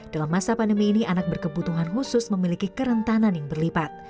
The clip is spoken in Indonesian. dalam masa pandemi ini anak berkebutuhan khusus memiliki kerentanan yang berlipat